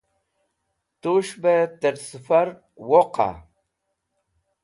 Tus̃h bẽ tẽr sẽfar woqa?